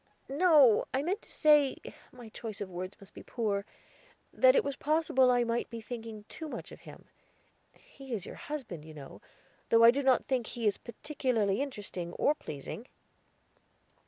"No; I meant to say my choice of words must be poor that it was possible I might be thinking too much of him; he is your husband, you know, though I do not think he is particularly interesting, or pleasing."